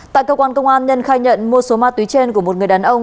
tại cơ quan công an nhân khai nhận mua số ma túy trên của một người đàn ông